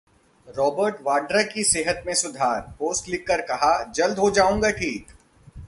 Robert Vadra की सेहत में सुधार, पोस्ट लिखकर कहा- जल्द हो जाऊंगा ठीक